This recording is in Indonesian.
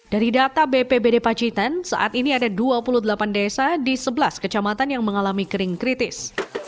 dari data bpbd pacitan saat ini ada dua puluh delapan desa di sebelas kecamatan yang mengalami kering kritis